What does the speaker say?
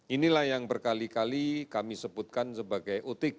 inilah yang berkali kali kami sebutkan sebagai otg